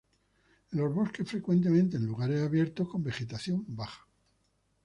En los bosques, frecuentemente en lugares abiertos con vegetación baja.